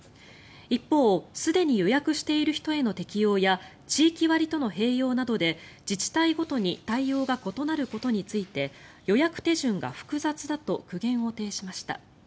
一方すでに予約している人への適用や地域割との併用などで自治体ごとに対応が異なることについて予約手順が複雑だと苦言を呈しました。